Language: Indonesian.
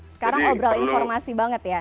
sekarang ngobrol informasi banget ya